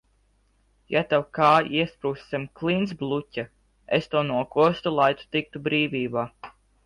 Ja tev kāja iesprūstu zem klintsbluķa, es to nokostu, lai tu tiktu brīvībā.